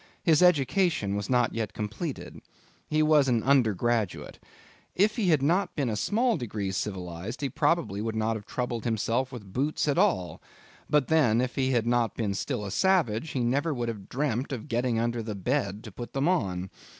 His education was not yet completed. He was an undergraduate. If he had not been a small degree civilized, he very probably would not have troubled himself with boots at all; but then, if he had not been still a savage, he never would have dreamt of getting under the bed to put them on.